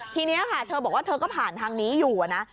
ทีนี้ค่ะเธอบอกว่าเธอก็ผ่านทางนี้อยู่นะ